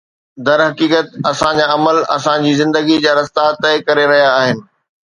درحقيقت، اسان جا عمل اسان جي زندگي جا رستا طئي ڪري رهيا آهن